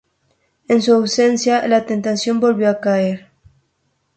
En su ausencia, la tensión volvió a crecer.